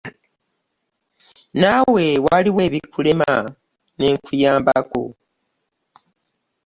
Naawe waliwo ebikulema ne nkuyambako.